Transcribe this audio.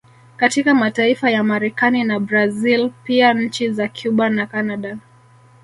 Katika mataifa ya Marekani na Brazil pia nchi za Cuba na Canada